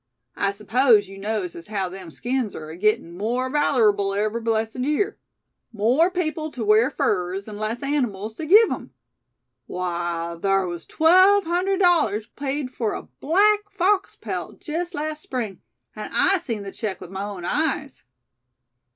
I s'pose yew knows as haow them skins air agittin' more valerable every blessed year. More people tew wear furs, an' less animals tew give 'em. Why, thar was twelve hundred dollars paid fur a black fox pelt jest last Spring; an' I seen the check with my own eyes."